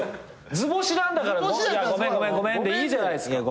図星なんだから「ごめんごめんごめん」でいいじゃないですか。